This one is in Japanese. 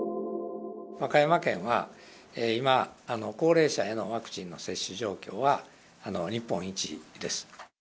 和歌山県は今、高齢者へのワクチンの接種状況は日本一です。